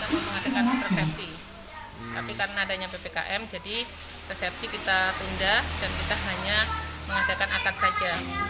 tapi karena adanya ppkm jadi persepsi kita tunda dan kita hanya mengadakan akar saja